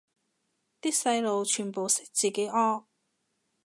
啲細路全部識自己屙